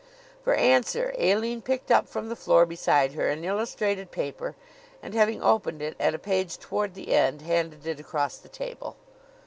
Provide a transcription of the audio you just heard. For answer, Aline picked up from the floor beside her an illustrated paper and, having opened it at a page toward the end, handed it across the table.